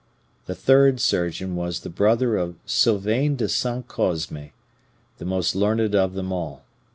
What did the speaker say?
The third surgeon was the brother of Sylvain de Saint Cosme, the most learned of them all.